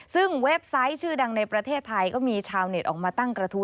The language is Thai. ซึ่งเว็บไซต์ชื่อดังในประเทศไทยก็มีชาวเน็ตออกมาตั้งกระทู้